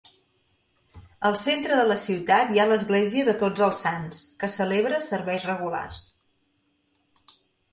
Al centre de la ciutat hi ha l'església de Tots els Sants, que celebra serveis regulars.